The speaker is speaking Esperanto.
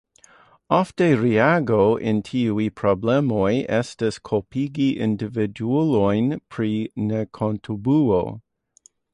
Ofta reago al tiuj problemoj estas, kulpigi individuojn pri nekontribuo.